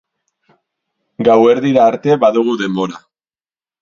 Gauerdira arte badugu denbora.